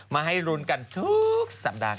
มาให้ลุ้นกันทุกสัปดาห์